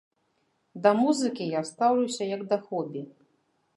Да музыкі я стаўлюся як да хобі.